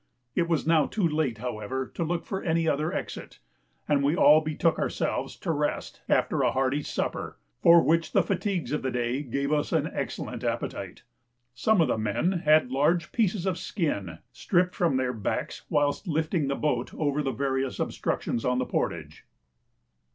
It was now too late, however, to look for any other exit, and we all betook ourselves to rest after a hearty supper, for which the fatigues of the day gave us an excellent appetite. Some of the men had large pieces of the skin stripped from their backs whilst lifting the boat over the various obstructions on the portage.